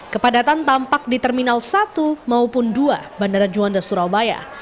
kepadatan tampak di terminal satu maupun dua bandara juanda surabaya